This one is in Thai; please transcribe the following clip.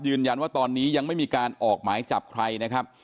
ยืนยันว่าตอนนี้ยังไม่มีการออกหมายจับใครนะครับ